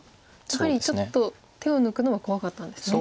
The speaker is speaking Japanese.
やはりちょっと手を抜くのは怖かったんですね。